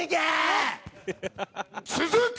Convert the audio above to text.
「続く！」